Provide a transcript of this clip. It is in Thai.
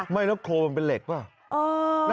ไม่แล้วโคลมันเป็นเหล็กว่ะ